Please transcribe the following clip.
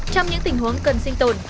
trong những tình huống cần sinh tồn